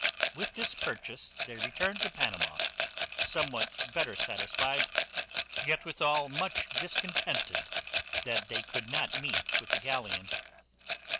With this purchase they returned to Panama, somewhat better satisfied; yet, withal, much discontented that they could not meet with the galleon.